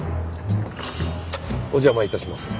お邪魔致します。